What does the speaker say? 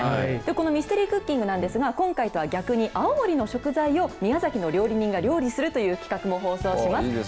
このミステリー×クッキングなんですが、今回とは逆に、青森の食材を宮崎の料理人が料理するという企画も放送します。